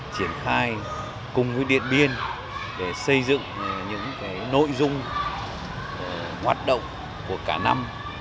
triển khai cùng với điện biên để xây dựng những nội dung hoạt động của cả năm